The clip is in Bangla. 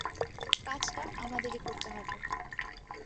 কাজটা আমাদেরই করতে হবে।